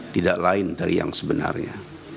tidak lain dari yang sebenarnya